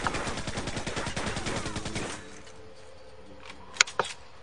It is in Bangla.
কাল চেলসি টিভিকে দেওয়া সাক্ষাৎকারেও বললেন, খেলোয়াড়দের মধ্যে নিবেদনের অভাব আছে।